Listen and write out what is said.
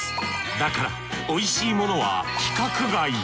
だから美味しいものは規格外。